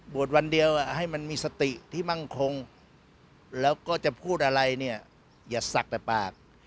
บวชวันเดียวให้มันมีสติที่มั่งคงแล้วก็จะพูดอะไรอย่าสักแต่ปาก